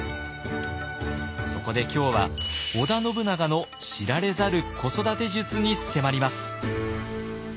そこで今日は織田信長の知られざる子育て術に迫ります。